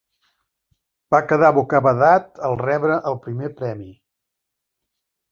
Va quedar bocabadat el rebre el primer premi.